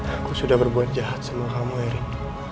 aku sudah berbuat jahat semua kamu erik